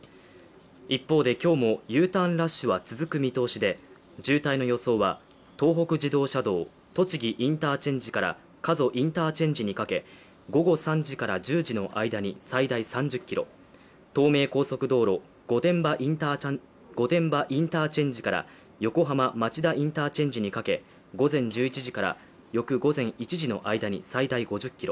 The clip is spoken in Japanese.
一方で今日もＵターンラッシュは続く見通しで、渋滞の予想は東北自動車道栃木インターチェンジから加須インターチェンジにかけ午後３時から１０時の間で最大３０ｋｍ東名高速道路御殿場インターチェンジから横浜町田インターチェンジにかけ午前１１時から翌午前１時の間に最大５０ｋｍ。